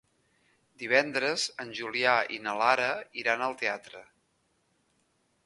Divendres en Julià i na Lara iran al teatre.